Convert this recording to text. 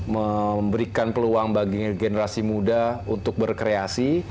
memberikan peluang bagi generasi muda untuk berkreasi